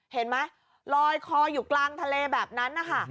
เห็นไหมลอยคออยู่กลางทะเลแบบนั้นนะคะ